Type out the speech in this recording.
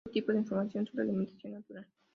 Todo tipo de información sobre alimentación natural.